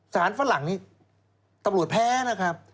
ฝรั่งนี้ตำรวจแพ้นะครับ